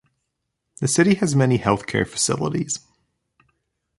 The city has many healthcare facilities.